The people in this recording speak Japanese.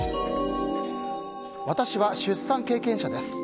私は出産経験者です。